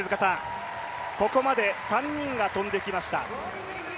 ここまで３人が跳んできました。